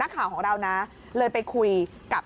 ครับ